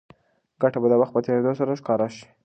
ګټه به د وخت په تېرېدو سره ښکاره شي.